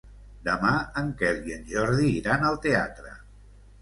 Demà en Quel i en Jordi iran al teatre.